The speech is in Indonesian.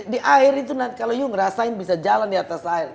di air itu kalau kamu merasakan bisa jalan di atas air